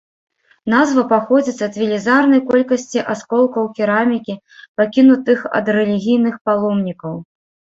Назва паходзіць ад велізарнай колькасці асколкаў керамікі, пакінутых ад рэлігійных паломнікаў.